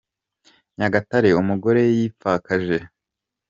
Nyagatare Umugore yipfakaje